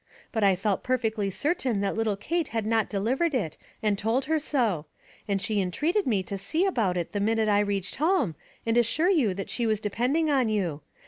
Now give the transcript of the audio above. But I felt per fectly certain that little Kate had not delivered it, and told her so ; and she entreated me to see about it the minute I reached home, and assure you that she was depending on you.